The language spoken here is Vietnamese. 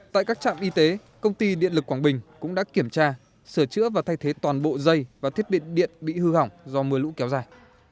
tại các trạm y tế công ty điện lực quảng bình cũng đã kiểm tra sửa chữa và thay thế toàn bộ dây và thiết bị điện bị hư hỏng do mưa lũ kéo dài